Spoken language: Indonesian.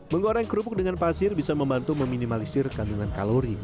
menggoreng kerupuk dengan pasir bisa membantu meminimalisir kandungan kalori